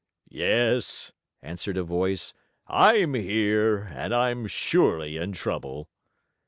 "Yes," answered a voice. "I'm here, and I'm surely in trouble."